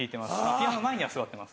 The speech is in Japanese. ピアノの前には座ってます。